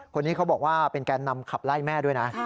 คนนี้เขาบอกว่าเป็นแกนนำขับไล่แม่ด้วยนะ